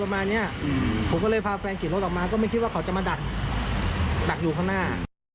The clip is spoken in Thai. ประมาณนี้ผมก็เลยพาแฟนขี่รถออกมาก็ไม่คิดว่าเขาจะมาดักดักอยู่ข้างหน้า